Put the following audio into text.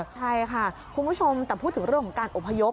ใช่ค่ะคุณผู้ชมแต่พูดถึงเรื่องของการอพยพ